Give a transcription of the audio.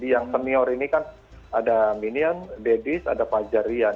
yang senior ini kan ada minion dedis ada pajarian